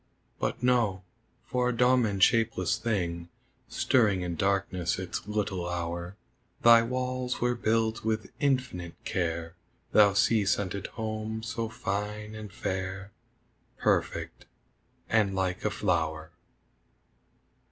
But no! For a dumb and shapeless thing Stirring in darkness its little hour, Thy walls were built with infinite care, Thou sea scented home, so fine and fair, Perfect and like a flower!